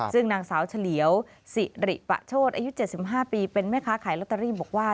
ซึ่งนางสาวเฉลียวสิริปะโชธอายุ๗๕ปีเป็นแม่ค้าขายลอตเตอรี่บอกว่า